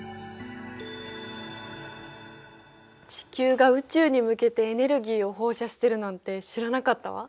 地球が宇宙に向けてエネルギーを放射してるなんて知らなかったわ。